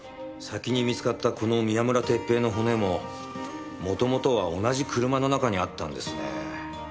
先に見つかったこの宮村哲平の骨も元々は同じ車の中にあったんですねえ。